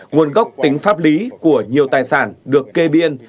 nguồn gốc tính pháp lý của nhiều tài sản được kê biên